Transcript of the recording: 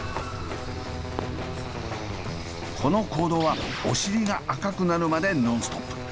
この行動はおしりが赤くなるまでノンストップ！